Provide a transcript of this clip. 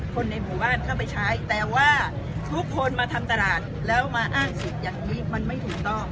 คนในหมู่บ้านเข้าไปใช้แต่ว่าทุกคนมาทำตลาดแล้วมาอ้างสิทธิ์อย่างนี้มันไม่ถูกต้อง